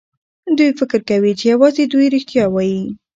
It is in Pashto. دوی فکر کوي چې يوازې دوی رښتيا وايي.